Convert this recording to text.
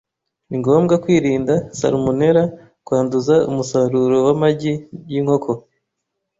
Ni ngombwa kwirinda salmonella kwanduza umusaruro w'amagi y'inkoko .